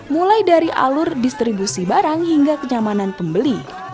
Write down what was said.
mulai dari alur distribusi barang hingga kenyamanan pembeli